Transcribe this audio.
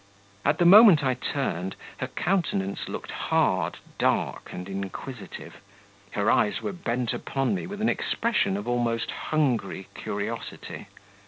At the moment I turned her countenance looked hard, dark, and inquisitive; her eyes were bent upon me with an expression of almost hungry curiosity.